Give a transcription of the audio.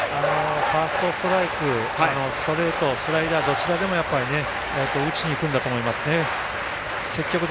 ファーストストライクストレート、スライダーどちらでも打ちにいくんだと思いますね。